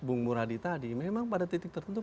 bung muradi tadi memang pada titik tertentu